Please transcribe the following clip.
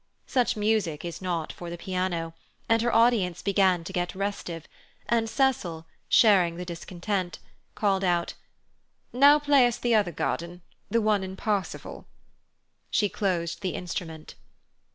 Such music is not for the piano, and her audience began to get restive, and Cecil, sharing the discontent, called out: "Now play us the other garden—the one in Parsifal." She closed the instrument.